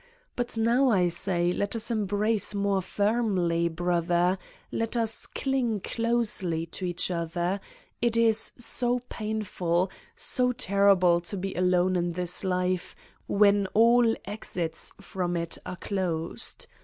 But now I say : let us embrace more firmly, brother, let us cling closely to each other it is so painful, so terrible to be alone in this life when all exits from it are closed.